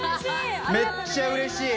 めっちゃうれしい。